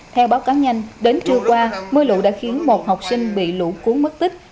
theo báo cáo nhanh đến trưa qua mưa lụ đã khiến một học sinh bị lụ cuốn mất tích